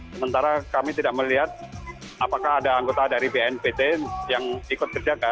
sementara kami tidak melihat apakah ada anggota dari bnpt yang ikut berjaga